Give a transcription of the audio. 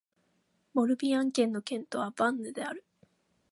モルビアン県の県都はヴァンヌである